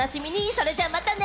それじゃあまたね！